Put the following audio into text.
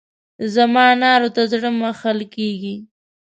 زما انارو ته زړه مښل کېږي.